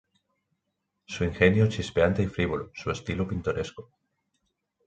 Su ingenio es chispeante y frívolo, su estilo pintoresco.